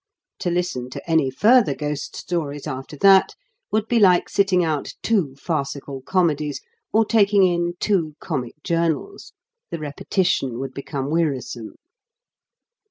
To listen to any further ghost stories after that would be like sitting out two farcical comedies, or taking in two comic journals; the repetition would become wearisome.